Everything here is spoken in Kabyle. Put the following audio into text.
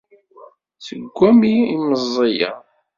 Seg wami i meẓẓiyeɣ.